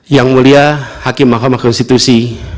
yang mulia hakim mahkamah konstitusi